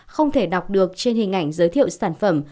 không thể đọc được trên hình ảnh giới thiệu sản phẩm